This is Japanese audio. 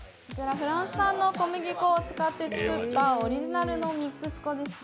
フランス産の小麦粉を使って作ったオリジナルのミックス粉ですね。